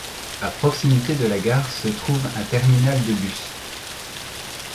À proximité de la gare se trouve un terminal de bus.